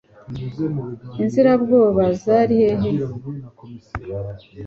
inzira bwoba zari hehe